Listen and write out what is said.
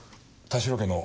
田代家の？